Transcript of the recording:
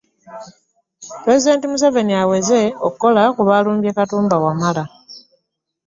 Pulezidenti Museveni aweze okukola ku baalumbye Katumba Wamala